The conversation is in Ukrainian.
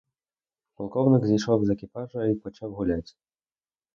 Полковник зійшов з екіпажа й почав гулять.